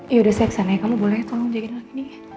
yaudah saya kesan ya kamu boleh tolong jagain lagi nih